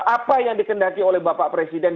apa yang dikendaki oleh bapak presiden